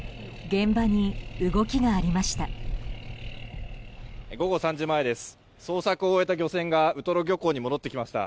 現場に動きがありました。